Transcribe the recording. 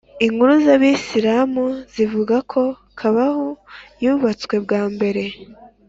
inkuru z’abisilamu zivuga ko “kaʽbah yubatswe bwa mbere